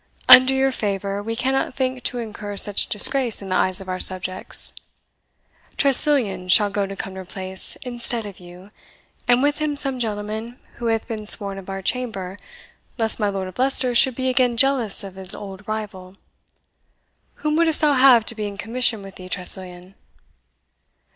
Under your favour, we cannot think to incur such disgrace in the eyes of our subjects. Tressilian shall go to Cumnor Place instead of you, and with him some gentleman who hath been sworn of our chamber, lest my Lord of Leicester should be again jealous of his old rival. Whom wouldst thou have to be in commission with thee, Tressilian?"